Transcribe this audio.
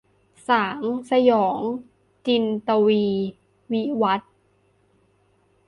สางสยอง - จินตวีร์ วิวัธน์